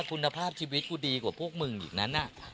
คุณภาพชีวิตกูดีกว่าพวกมึงอีกนั้น